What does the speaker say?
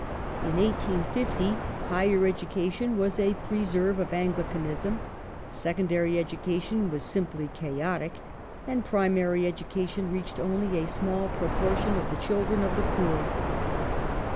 In 1850 Higher education was a preserve of Anglicanism, Secondary educa tion was simply chaotic, and Primary education reached only a small proportion of the children of the poor.